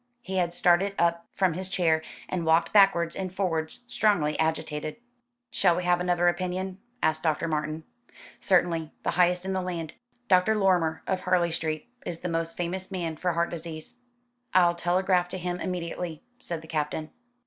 He had started up from his chair, and walked backwards and forwards, strongly agitated. "Shall we have another opinion?" asked Dr. Martin. "Certainly. The highest in the land." "Dr. Lorrimer, of Harley Street, is the most famous man for heart disease." "I'll telegraph to him immediately," said the Captain.